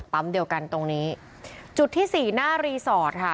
เดียวกันตรงนี้จุดที่สี่หน้ารีสอร์ทค่ะ